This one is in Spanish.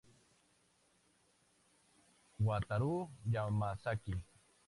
Wataru Yamazaki